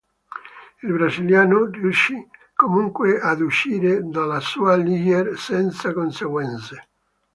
Il brasiliano riuscì comunque ad uscire dalla sua Ligier senza conseguenze.